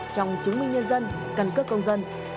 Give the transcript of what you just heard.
trong chứng minh nhân dân căn cấp công dân